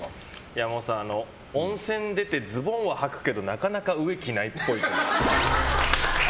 山本さん、温泉出てズボンははくけどなかなか上、着ないっぽい。